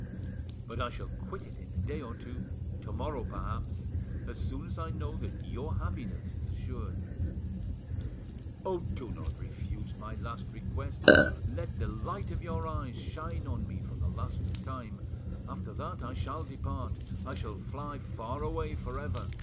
But I shall quit it in a day or two, to morrow perhaps—as soon as I know that your happiness is assured. Oh! do not refuse my last request; let the light of your eyes shine on me for the last time; after that I shall depart—I shall fly far away for ever.